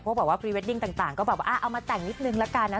แบบว่าพรีเวดดิ้งต่างก็แบบว่าเอามาแต่งนิดนึงละกันนะ